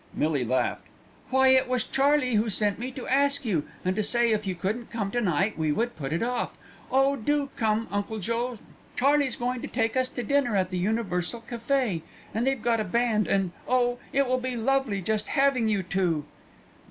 Millie laughed. "Why, it was Charlie who sent me to ask you, and to say if you couldn't come to night we would put it off. Oh! do come, Uncle Joe. Charlie's going to take us to dinner at the Universal Café, and they've got a band, and, oh! it will be lovely just having you two."